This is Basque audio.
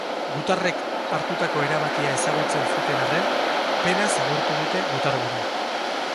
Gutarrek hartutako erabakia ezagutzen zuten arren, penaz agurtu dute gutarburua.